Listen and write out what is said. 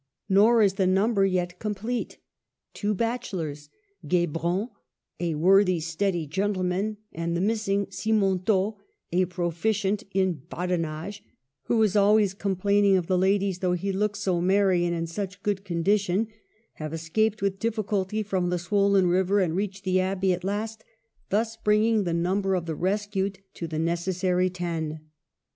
Nor is the number yet complete. Two bachelors, Guebron, a worthy, steady gentle man, and the missing Simontault, a proficient in badinage (''who is always complaining of the ladies, though he looks so merry and in such good condition"), have escaped with difficulty from the swollen river and reach the abbey at last, thus bringing the number of the rescued to the necessary ten.